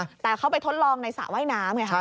แต่เขาไปทดลองในสระว่ายน้ำไงคะ